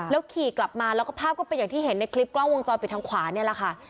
ขี่กลับมาแล้วก็ภาพก็เป็นอย่างที่เห็นในคลิปกล้องวงจรปิดทางขวานี่แหละค่ะ